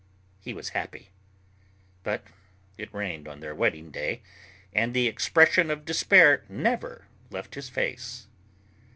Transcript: He was happy. But it rained on their wedding day, and the expression of despair never left his face.